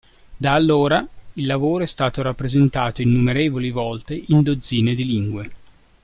Da allora, il lavoro è stato rappresentato innumerevoli volte in dozzine di lingue.